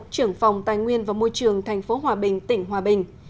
trưởng phòng tài nguyên và môi trường tp hòa bình tỉnh hòa bình